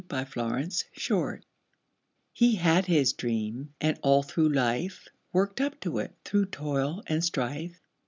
HE HAD HIS DREAM He had his dream, and all through life, Worked up to it through toil and strife.